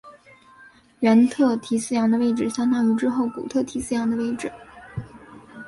原特提斯洋的位置相当于之后古特提斯洋的位置。